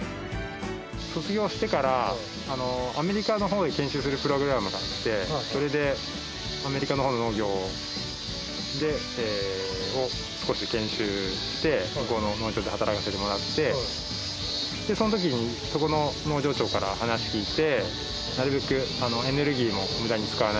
卒業してからアメリカのほうで研修するプログラムがあってそれでアメリカのほうの農業を少し研修して向こうの農場で働かせてもらってそのときにそこの農場長から話聞いて。